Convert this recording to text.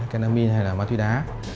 kenamin hay là ma túy đá